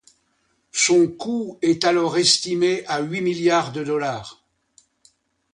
Son coût est alors estimé à huit milliards de dollars.